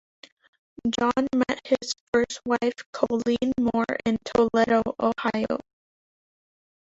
Jon met his first wife Colleen Moore in Toledo, Ohio.